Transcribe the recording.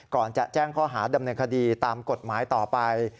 ก่อนจะแจ้งข้อหาดำเนินคดีตามกฎหมายต่อไป